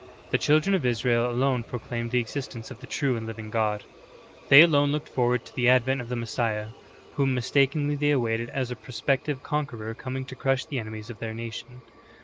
The children of Israel alone proclaimed the existence of the true and living God ; they alone looked forward to the advent of the Messiah, whom mistakenly they awaited as a prospective conqueror coming to crush the enemies of their nation.